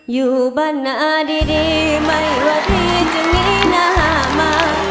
อยู่บ้านหน้าดีไม่ว่าที่จะงิ้นหมา